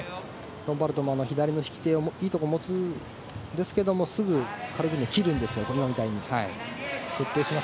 ロンバルドも右手の引き手をいいところ持つんですがすぐカルグニン切るんです今みたいに。